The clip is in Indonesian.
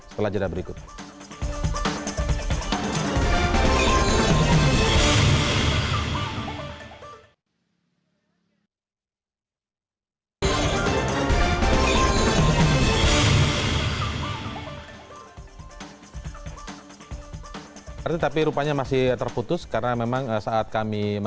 setelah jeda berikutnya